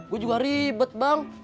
gue juga ribet bang